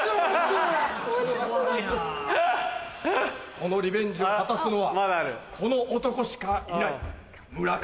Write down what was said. このリベンジを果たすのはこの男しかいない村上。